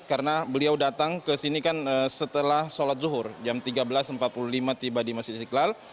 karena beliau datang ke sini kan setelah sholat zuhur jam tiga belas empat puluh lima tiba di masjid istiqlal